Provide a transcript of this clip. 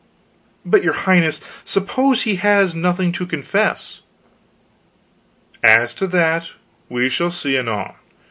"But, your Highness, suppose he has nothing to confess?" "As to that, we shall see, anon.